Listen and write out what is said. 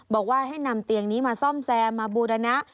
บอกว่าให้นำเตียงนี้มาซ่อมแซมมาบูรณะ